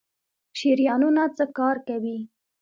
شریانونه څه کار کوي؟